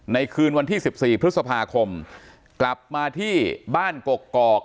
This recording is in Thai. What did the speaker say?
คืนวันที่๑๔พฤษภาคมกลับมาที่บ้านกกอก